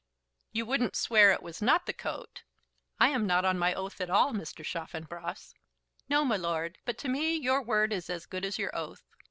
"You wouldn't swear it was not the coat?" "I am not on my oath at all, Mr. Chaffanbrass." "No, my lord; but to me your word is as good as your oath.